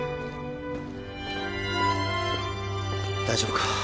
大丈夫か？